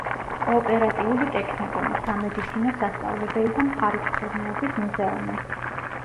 კოოპერატიული ტექნიკუმი, სამედიცინო სასწავლებელი და მხარეთმცოდნეობის მუზეუმი.